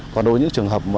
còn đối với những trường hợp